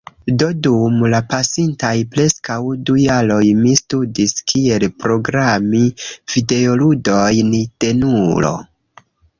Do dum la pasintaj preskaŭ du jaroj mi studis kiel programi videoludojn denulo.